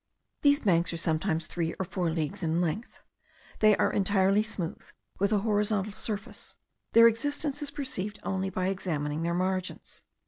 These banks are sometimes three or four leagues in length; they are entirely smooth, with a horizontal surface; their existence is perceived only by examining their margins.